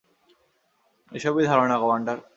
এসবই ধারণা, কমান্ডার।